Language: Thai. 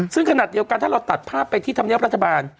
ซึ่งขนาดเดียวกันถ้าเราตัดภาพไปที่ธรรมเนียบรัฐบาล